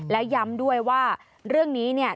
และย้ำด้วยว่าเรื่องนี้เนี่ย